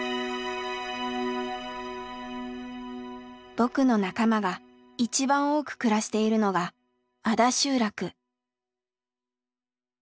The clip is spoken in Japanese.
僕の仲間が一番多く暮らしているのが安田集落。